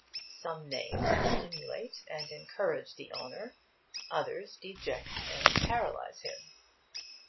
Some names stimulate and encourage the owner, others deject and paralyse him.'